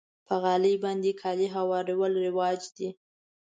په غالۍ باندې کالي هوارول رواج دی.